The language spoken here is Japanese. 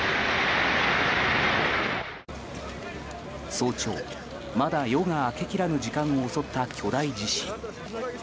早朝、まだ夜が明けきらぬ時間を襲った巨大地震。